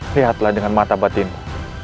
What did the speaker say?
lihatlah dengan mata batinmu